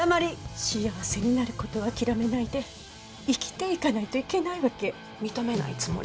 幸せになることを諦めないで生きていかないといけないわけ。